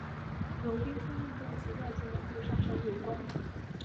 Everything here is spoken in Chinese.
由冰川运动及外界温度上升有关。